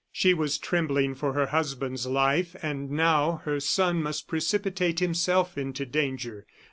She was trembling for her husband's life, and now her son must precipitate himself into danger.